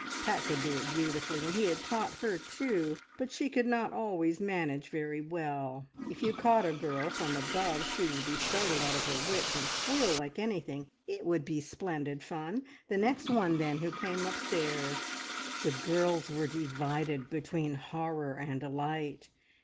Pat could do it beautifully, and he had taught her too, but she could not always manage very well. If you caught a girl from above, she would be startled out of her wits, and squeal like anything. It would be splendid fun. The next one, then, who came upstairs! The girls were divided between horror and delight.